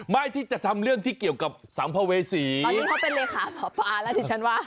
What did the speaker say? ที่จะทำเรื่องที่เกี่ยวกับสัมภเวษีตอนนี้เขาเป็นเลขาหมอปลาแล้วที่ฉันว่า